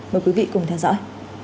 mời quý vị cùng theo dõi